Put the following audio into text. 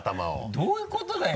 どういうことだよ？